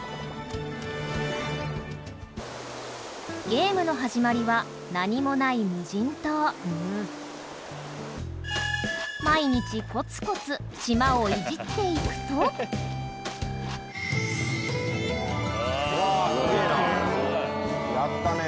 ゲームの始まりは何もない無人島毎日コツコツ島をイジっていくと有野：やったね。